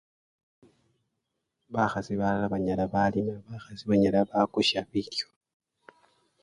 Bakhasi balala banyala balima, bakhasi banyala bakusya bilyo.